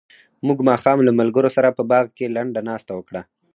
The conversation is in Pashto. موږ ماښام له ملګرو سره په باغ کې لنډه ناسته وکړه.